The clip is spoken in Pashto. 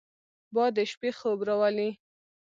باد د شپې خوب راولي